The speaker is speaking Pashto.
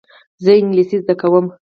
زه انګلیسي زده کوم.